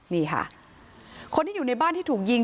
นี่ค่ะคนที่อยู่ในบ้านที่ถูกยิง